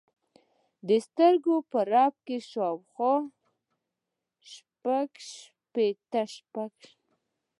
د سترګو په رپ کې يې شاوخوا شپېته ميليارده ډالر عايد پيدا کړ.